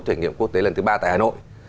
thử nghiệm quốc tế lần thứ ba tại hà nội